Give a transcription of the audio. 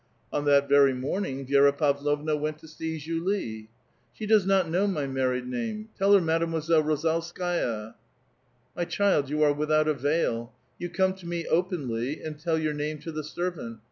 On that very morning Vi^ra Pavlovna went to see Julie. " She does not know my married name. Tell her Made moiselle Rozdlskaia." '* M3' child, you are without a veil. You come to me openly, and tell your name to the servant.